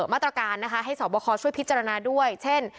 มาตรการนะคะให้สอบคอช่วยพิจารณาด้วยเช่น